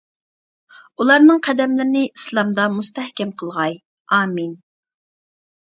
ئۇلارنىڭ قەدەملىرىنى ئىسلامدا مۇستەھكەم قىلغاي، ئامىن!